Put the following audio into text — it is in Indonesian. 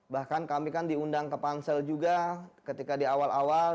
bahkan kami kan diundang ke pansel juga ketika di awal awal